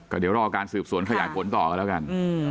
ก็เดี๋ยวรอการสืบสวนขยายผลต่อกันแล้วกัน